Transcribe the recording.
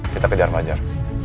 kita kejar fajar